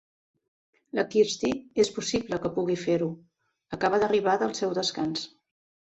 La Kirsty és possible que pugui fer-ho; acaba d'arribar del seu descans.